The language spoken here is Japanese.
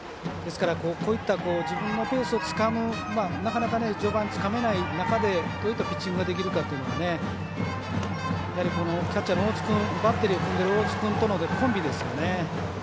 こういった自分のペースをつかむなかなか、序盤はつかめない中でどういったピッチングができるかというのがキャッチャーの大津君とのコンビですよね。